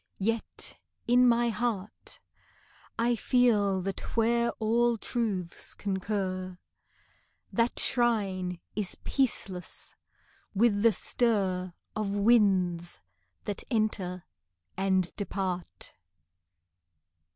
Yet in my heart, I feel that where all truths concur, The shrine is peaceless with the stir Of winds that enter and depart.